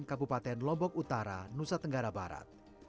kabupaten lombok utara nusa tenggara barat